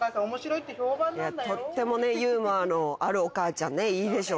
いやとってもねユーモアのあるお母ちゃんねいいでしょ